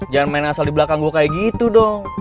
jangan main asal di belakang gue kayak gitu dong